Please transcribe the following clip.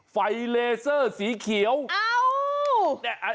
ไฟเลเซอร์สีเขียวเอ้า